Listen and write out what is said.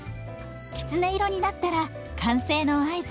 きつね色になったら完成の合図。